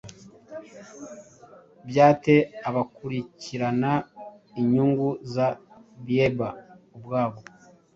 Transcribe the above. byate abakurikirana inyungu za Bieber ubwoba,